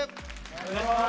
お願いします！